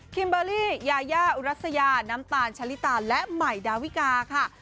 เบอร์รี่ยายาอุรัสยาน้ำตาลชะลิตาและใหม่ดาวิกาค่ะ